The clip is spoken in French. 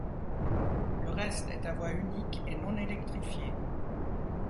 Le reste est à voie unique et non électrifié.